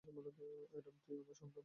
Adam, তুই আমার সন্তান।